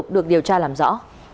được điều tra làm rõ